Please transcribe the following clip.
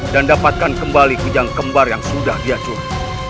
dan dapatkan kembali kejang kembar yang sudah dia curi